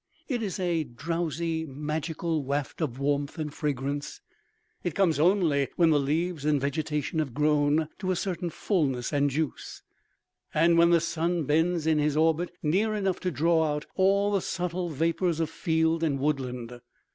It is a drowsy, magical waft of warmth and fragrance. It comes only when the leaves and vegetation have grown to a certain fullness and juice, and when the sun bends in his orbit near enough to draw out all the subtle vapors of field and woodland.